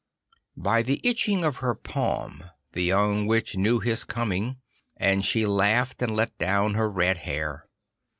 By the itching of her palm the young Witch knew his coming, and she laughed and let down her red hair.